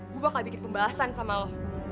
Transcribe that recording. gue bakal bikin pembahasan sama